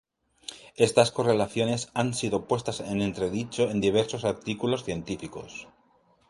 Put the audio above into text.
Estas correlaciones han sido puestas en entredicho en diversos artículos científicos.